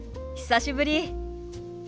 久しぶり。